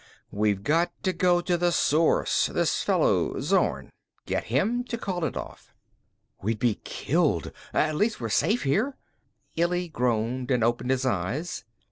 "We've got to go to the source; this fellow Zorn. Get him to call it off." "We'd be killed! At least we're safe here." Illy groaned and opened his eyes.